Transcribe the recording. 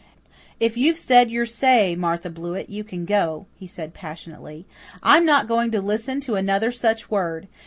"If you're said your say, Martha Blewett, you can go," he said passionately. "I'm not going to listen to another such word.